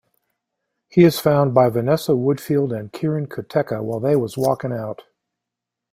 He is found by Vanessa Woodfield and Kirin Kotecha while they was walking out.